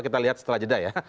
kita lihat setelah jeda ya